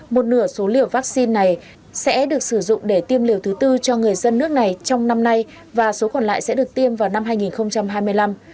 một nửa số liều vaccine này sẽ được sử dụng để tiêm liều thứ tư cho người dân nước này trong năm nay và số còn lại sẽ được tiêm vào năm hai nghìn hai mươi năm